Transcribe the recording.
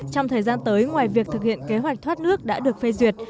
trong thời gian tới ngoài việc thực hiện kế hoạch thoát nước đã được phê duyệt